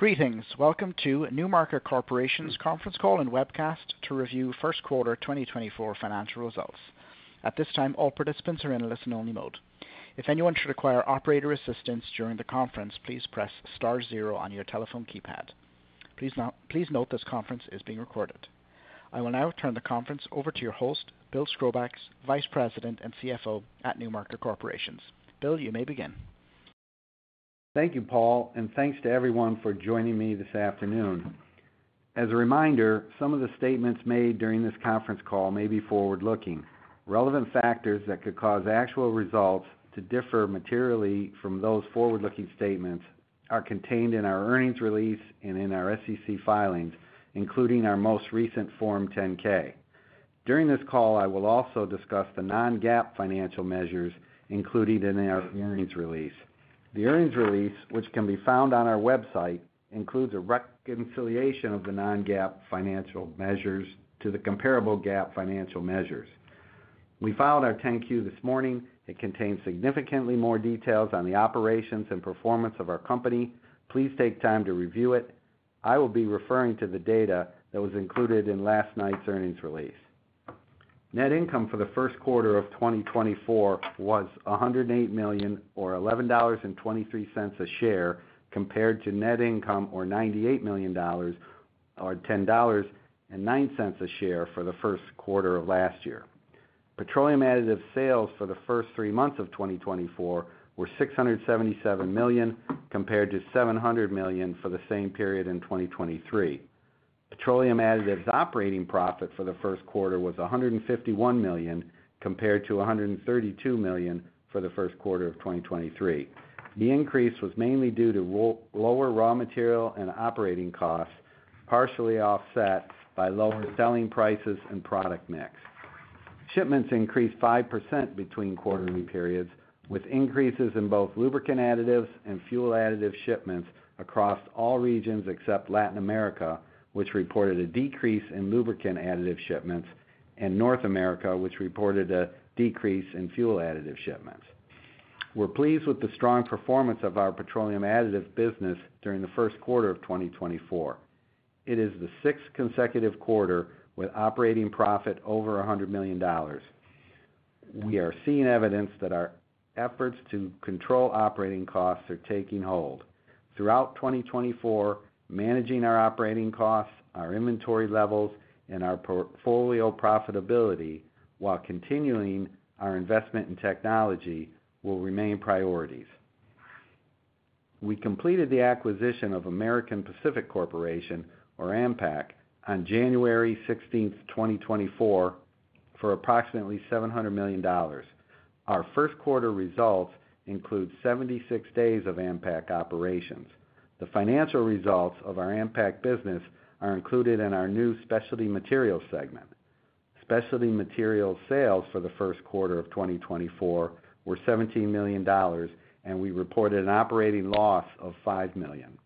Greetings. Welcome to NewMarket Corporation's conference call and webcast to review first quarter 2024 financial results. At this time, all participants are in listen-only mode. If anyone should require operator assistance during the conference, please press star zero on your telephone keypad. Please note this conference is being recorded. I will now turn the conference over to your host, Bill Skrobacz, Vice President and CFO at NewMarket Corporation. Bill, you may begin. Thank you, Paul, and thanks to everyone for joining me this afternoon. As a reminder, some of the statements made during this conference call may be forward-looking. Relevant factors that could cause actual results to differ materially from those forward-looking statements are contained in our earnings release and in our SEC filings, including our most recent Form 10-K. During this call, I will also discuss the non-GAAP financial measures included in our earnings release. The earnings release, which can be found on our website, includes a reconciliation of the non-GAAP financial measures to the comparable GAAP financial measures. We filed our 10-Q this morning. It contains significantly more details on the operations and performance of our company. Please take time to review it. I will be referring to the data that was included in last night's earnings release. Net income for the first quarter of 2024 was $108 million or $11.23 a share compared to net income or $98 million or $10.09 a share for the first quarter of last year. Petroleum additives sales for the first three months of 2024 were $677 million compared to $700 million for the same period in 2023. Petroleum additives' operating profit for the first quarter was $151 million compared to $132 million for the first quarter of 2023. The increase was mainly due to lower raw material and operating costs, partially offset by lower selling prices and product mix. Shipments increased 5% between quarterly periods, with increases in both lubricant additives and fuel additives shipments across all regions except Latin America, which reported a decrease in lubricant additives shipments, and North America, which reported a decrease in fuel additives shipments. We're pleased with the strong performance of our petroleum additive business during the first quarter of 2024. It is the sixth consecutive quarter with operating profit over $100 million. We are seeing evidence that our efforts to control operating costs are taking hold. Throughout 2024, managing our operating costs, our inventory levels, and our portfolio profitability while continuing our investment in technology will remain priorities. We completed the acquisition of American Pacific Corporation, or AMPAC, on January 16th, 2024, for approximately $700 million. Our first quarter results include 76 days of AMPAC operations. The financial results of our AMPAC business are included in our new specialty materials segment. Specialty materials sales for the first quarter of 2024 were $17 million, and we reported an operating loss of $5 million.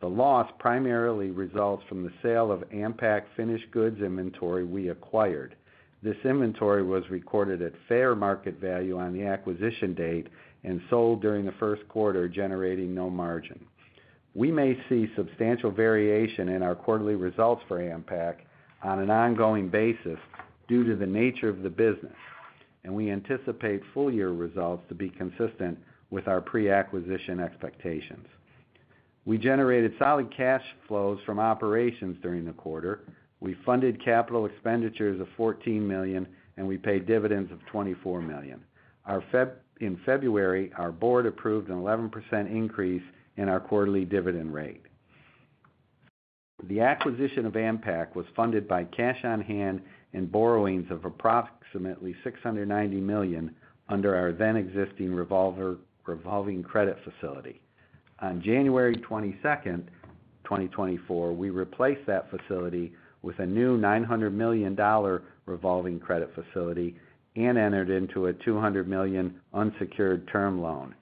The loss primarily results from the sale of AMPAC finished goods inventory we acquired. This inventory was recorded at fair market value on the acquisition date and sold during the first quarter, generating no margin. We may see substantial variation in our quarterly results for AMPAC on an ongoing basis due to the nature of the business, and we anticipate full-year results to be consistent with our pre-acquisition expectations. We generated solid cash flows from operations during the quarter. We funded capital expenditures of $14 million, and we paid dividends of $24 million. In February, our board approved an 11% increase in our quarterly dividend rate. The acquisition of AMPAC was funded by cash on hand and borrowings of approximately $690 million under our then-existing revolving credit facility. On January 22nd, 2024, we replaced that facility with a new $900 million revolving credit facility and entered into a $200 million unsecured term loan.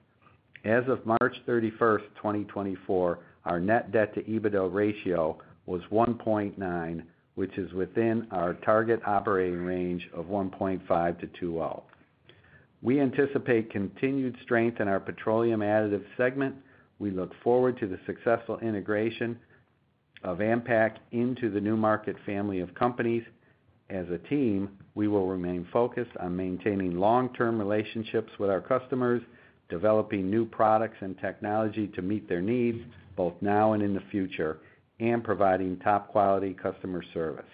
As of March 31st, 2024, our net debt-to-EBITDA ratio was 1.9, which is within our target operating range of 1.5-20. We anticipate continued strength in our petroleum additive segment. We look forward to the successful integration of AMPAC into the NewMarket family of companies. As a team, we will remain focused on maintaining long-term relationships with our customers, developing new products and technology to meet their needs both now and in the future, and providing top-quality customer service.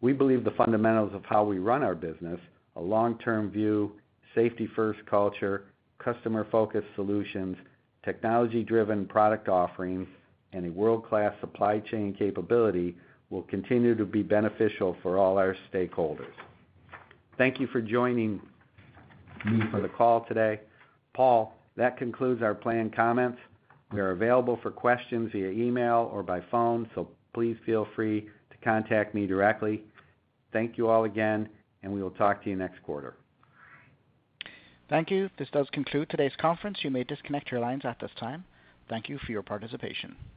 We believe the fundamentals of how we run our business, a long-term view, safety-first culture, customer-focused solutions, technology-driven product offerings, and a world-class supply chain capability, will continue to be beneficial for all our stakeholders. Thank you for joining me for the call today. Paul, that concludes our planned comments. We are available for questions via email or by phone, so please feel free to contact me directly. Thank you all again, and we will talk to you next quarter. Thank you. This does conclude today's conference. You may disconnect your lines at this time. Thank you for your participation.